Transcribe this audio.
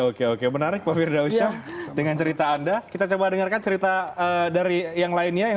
oke oke menarik pak firdausya dengan cerita anda kita coba dengarkan cerita dari yang lainnya yang